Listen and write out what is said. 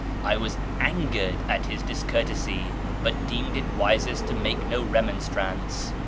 I was angered at his discourtesy, but deemed it wisest to make no remonstrance.